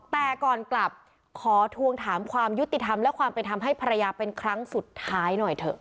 แต่ก่อนกลับขอทวงถามความยุติธรรมและความเป็นธรรมให้ภรรยาเป็นครั้งสุดท้ายหน่อยเถอะ